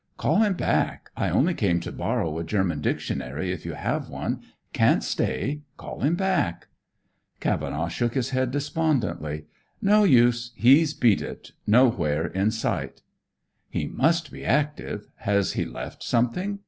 "Call him back. I only came to borrow a German dictionary, if you have one. Can't stay. Call him back." Cavenaugh shook his head despondently. "No use. He's beat it. Nowhere in sight." "He must be active. Has he left something?"